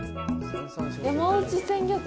山内鮮魚店。